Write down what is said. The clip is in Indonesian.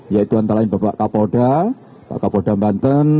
yaitu antara lain bapak kapolda pak kapolda banten